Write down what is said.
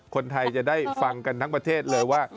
คนไทยจะได้ฟังกันทั้งประเทศเลยว่า